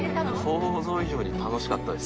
想像以上に楽しかったです。